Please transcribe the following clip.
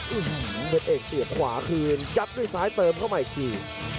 เพชรเอกเสียบขวาคืนยัดด้วยซ้ายเติมเข้ามาอีกที